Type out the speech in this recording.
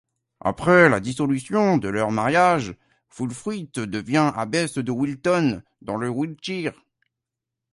Après la dissolution de leur mariage, Wulfthryth devient abbesse de Wilton, dans le Wiltshire.